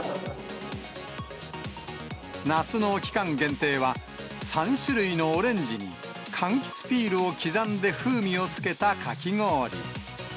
夏の期間限定は、３種類のオレンジにかんきつピールを刻んで風味をつけたかき氷。